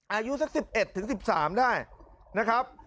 อายุสัก๑๑ถึง๑๓ได้นะครับ